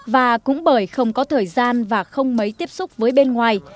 và cũng bởi không có thời gian và không mấy tiếp xúc với bên ngoài